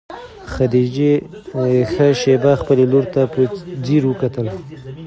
خدیجې ښه شېبه خپلې لور ته په ځیر وکتل.